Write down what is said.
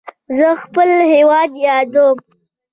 زه خپل هیواد یادوم.